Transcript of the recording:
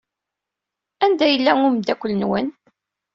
Anda yella umeddakel-nwen?